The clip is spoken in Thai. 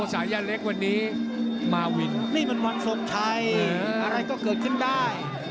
สายันเล็กวันนี้มาวินนี่มันวันทรงชัยอะไรก็เกิดขึ้นได้